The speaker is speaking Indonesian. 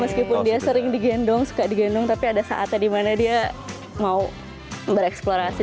meskipun dia sering digendong suka digendong tapi ada saatnya dimana dia mau bereksplorasi